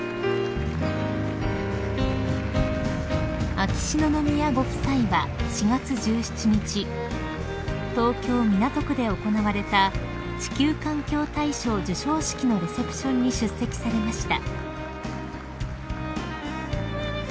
［秋篠宮ご夫妻は４月１７日東京港区で行われた地球環境大賞授賞式のレセプションに出席されました］